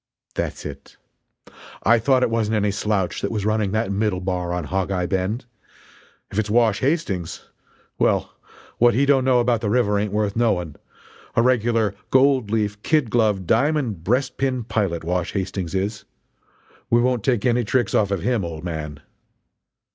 "That's it! I thought it wasn't any slouch that was running that middle bar in Hog eye Bend. If it's Wash Hastings well, what he don't know about the river ain't worth knowing a regular gold leaf, kid glove, diamond breastpin pilot Wash Hastings is. We won't take any tricks off of him, old man!"